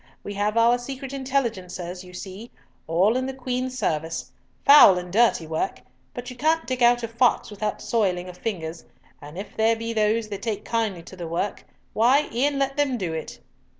"We have our secret intelligencers, you see, all in the Queen's service. Foul and dirty work, but you can't dig out a fox without soiling of fingers, and if there be those that take kindly to the work, why, e'en let them do it."